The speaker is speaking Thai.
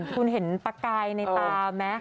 คุณเห็นประกายในตาไหม